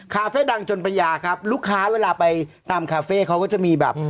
คาเฟ่ดังจนประยาครับลูกค้าเวลาไปตามคาเฟ่เขาก็จะมีแบบ